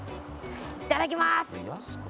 いただきます！